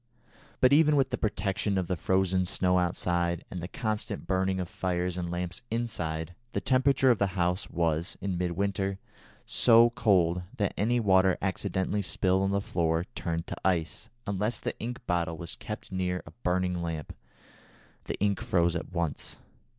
But even with the protection of the frozen snow outside, and the constant burning of fires and lamps inside, the temperature of the house was, in midwinter, so cold that any water accidentally spilled on the floor turned to ice, and unless the ink bottle was kept near a burning lamp, the ink froze at once.